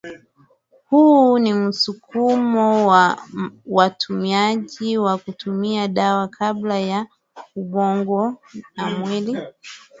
huu ni msukumo wa watumiaji wa kutumia dawa kabla ya ubongo na mwili